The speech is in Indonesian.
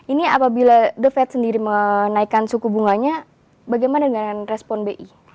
ini apabila the fed sendiri menaikkan suku bunganya bagaimana dengan respon bi